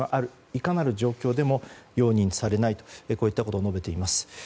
いかなる状況でも容認されないとこういったことを述べています。